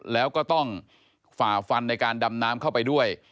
แล้วก็ต้องฝ่าฟันในการดำน้ำเข้าไปด้วย